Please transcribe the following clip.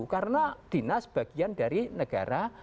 karena dinas bagian dari negara